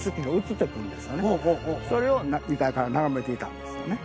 それを２階から眺めていたんですよね。